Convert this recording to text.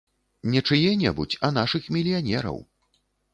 Не чые-небудзь, а нашых мільянераў.